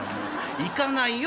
行かないよ！